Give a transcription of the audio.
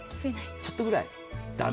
ちょっとぐらい駄目？